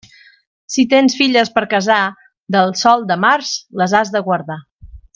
Si tens filles per casar, del sol de març les has de guardar.